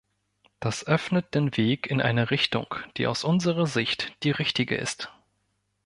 Das öffnet den Weg in eine Richtung, die aus unserer Sicht die richtige ist.